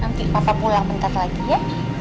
nanti papa pulang bentar lagi ya